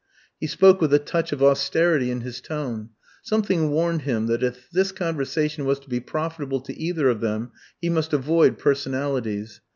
He spoke with a touch of austerity in his tone. Something warned him that if this conversation was to be profitable to either of them, he must avoid personalities.